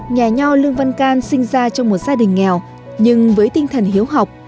nhà nho lương văn can sinh ra trong một gia đình nghèo nhưng với tinh thần hiếu học